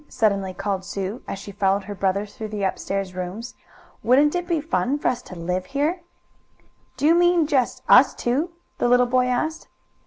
suddenly called Sue, as she followed her brother through the upstairs rooms, "wouldn't it be fun for us to live here?" "Do you mean just us two?" the little boy asked.